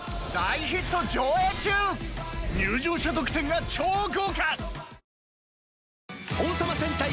入場者特典が超豪華！